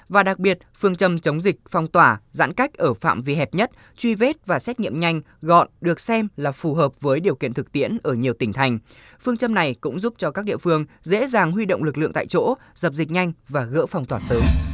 và đặc biệt phương châm chống dịch phong tỏa giãn cách ở phạm vi hẹp nhất truy vết và xét nghiệm nhanh gọn được xem là phù hợp với điều kiện thực tiễn ở nhiều tỉnh thành phương châm này cũng giúp cho các địa phương dễ dàng huy động lực lượng tại chỗ dập dịch nhanh và gỡ phong tỏa sớm